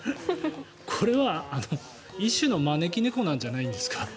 これは一種の招き猫なんじゃないですか？